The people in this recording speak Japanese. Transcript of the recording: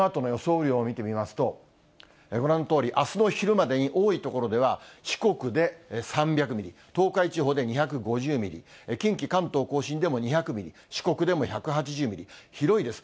雨量を見てみますと、ご覧のとおり、あすの昼までに多い所では四国で３００ミリ、東海地方で２５０ミリ、近畿、関東甲信でも２００ミリ、四国でも１８０ミリ、広いです。